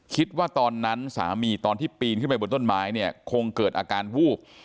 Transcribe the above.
คิดว่าตอนนั้นสามีตอนที่ปีนขึ้นไปบนต้นไม้เนี่ยคงเกิดอาการวูบ